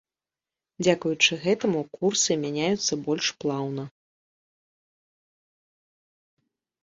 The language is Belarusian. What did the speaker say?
Дзякуючы гэтаму курсы мяняюцца больш плаўна.